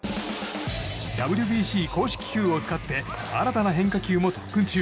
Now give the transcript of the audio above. ＷＢＣ公式球を使って新たな変化球も特訓中。